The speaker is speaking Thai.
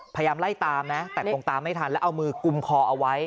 พยายามไล่ตามนะแต่คงตามไม่ทันแล้วเอามือกุมคอเอาไว้